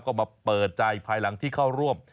ก็มาเปิดใจภายหลังที่เข้าร่วม